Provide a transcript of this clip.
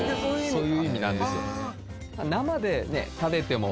そういう意味なんですよ。